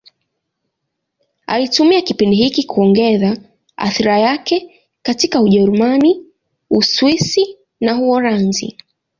Alitumia kipindi hiki kuongeza athira yake katika Ujerumani, Uswisi na Uholanzi.